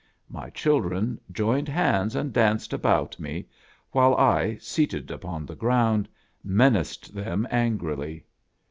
My children joined hands and danced about me, while I, seated upon the ground, menaced them an grily.